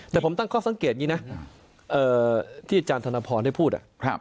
แต่ผมตั้งข้อสังเกตอย่างนี้นะที่อาจารย์ธนพรได้พูด